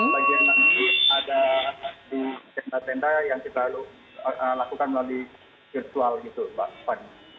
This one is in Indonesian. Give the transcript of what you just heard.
bagian yang ada di tenda tenda yang kita lakukan melalui virtual gitu mbak fani